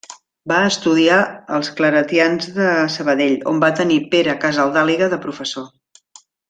Va estudiar als Claretians de Sabadell, on va tenir Pere Casaldàliga de professor.